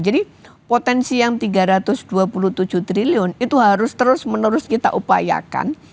potensi yang rp tiga ratus dua puluh tujuh triliun itu harus terus menerus kita upayakan